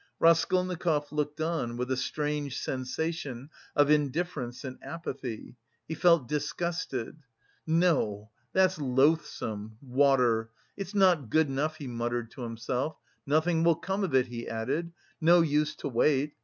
Raskolnikov looked on with a strange sensation of indifference and apathy. He felt disgusted. "No, that's loathsome... water... it's not good enough," he muttered to himself. "Nothing will come of it," he added, "no use to wait.